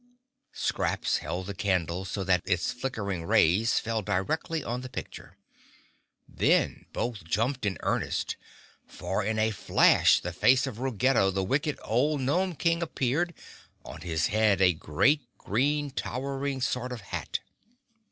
Scraps held the candle so that its flickering rays fell directly on the picture. Then both jumped in earnest, for in a flash the face of Ruggedo, the wicked old gnome King, appeared, on his head a great, green towering sort of hat.